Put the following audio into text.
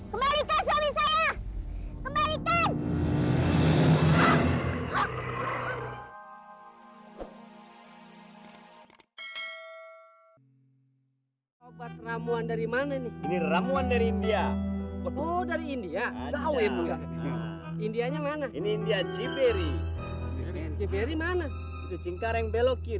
kembalikan suami saya kembalikan